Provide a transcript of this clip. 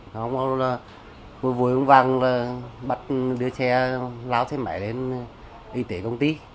nói không nói là vui vui văng văng là bắt đưa xe lao xe máy lên y tế công ty